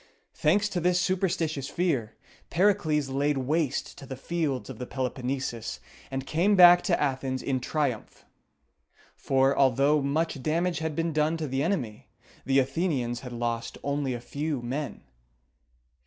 Thanks to this superstitious fear, Pericles laid waste the fields of the Peloponnesus, and came back to Athens in triumph; for, although much damage had been done to the enemy, the Athenians had lost only a few men.